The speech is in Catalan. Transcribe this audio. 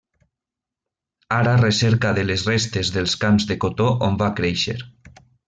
Ara recerca de les restes dels camps de cotó on va créixer.